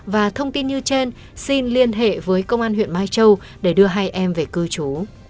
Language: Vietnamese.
và thông tin như trên xin liên hệ với công an huyện mai châu để đưa hai em về cư trú